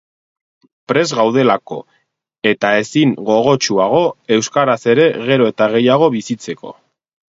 Prest gaudelako, eta ezin gogotsuago, euskaraz ere gero eta gehiago bizitzeko.